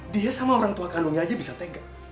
dia sama orang tua kandungnya aja bisa tega